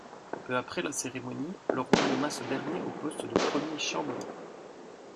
Peu après la cérémonie, le roi nomma ce dernier au poste de premier chambellan.